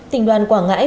tỉnh đoàn quảng ngãi